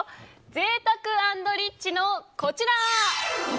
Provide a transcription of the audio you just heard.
ぜいたく＆リッチのこちら。